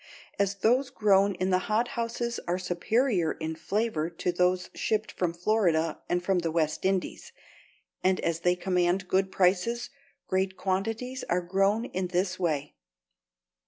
As those grown in the hothouses are superior in flavor to those shipped from Florida and from the West Indies, and as they command good prices, great quantities are grown in this way.